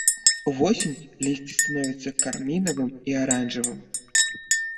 Увосень лісце становяцца кармінавым і аранжавым.